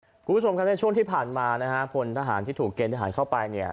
คุณผู้ฉมในช่วงที่ผ่านมาทหารที่ถูกเกื้อร์ทะหารเข้าไป